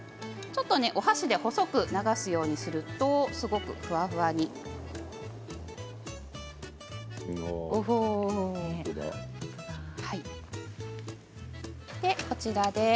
お箸で細く流すようにするとすごくふわふわになります。